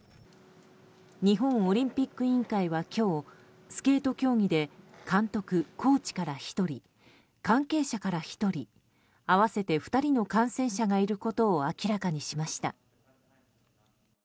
日本オリンピック委員会は今日スケート競技で監督・コーチから１人関係者から１人合わせて２人の感染者がいることを明らかにしました。